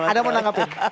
ada mau tanggapin